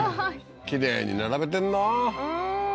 きれいに並べてんなうん